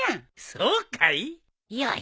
そうかい？